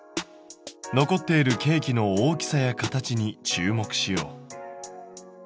残っているケーキの大きさや形に注目しよう。